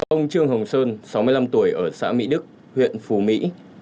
ông trương hồng sơn sáu mươi năm tuổi ở xã mỹ đức huyện phù mỹ